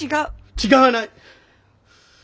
違わない。